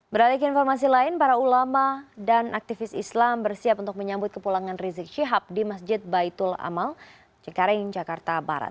beralik informasi lain para ulama dan aktivis islam bersiap untuk menyambut kepulangan rizik syihab di masjid baitul amal cekaring jakarta barat